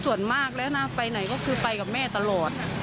ส่วนมากแล้วนะไปไหนก็คือไปกับแม่ตลอด